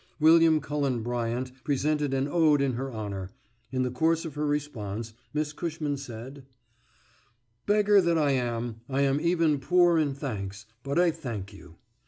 William Cullen Bryant presented an ode in her honour. In the course of her response Miss Cushman said:] Beggar that I am, I am even poor in thanks, but I thank you.